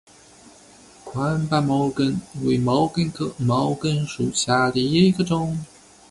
宽瓣毛茛为毛茛科毛茛属下的一个种。